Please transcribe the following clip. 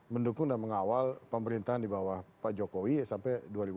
mendukung dan mengawal pemerintahan di bawah pak jokowi sampai dua ribu dua puluh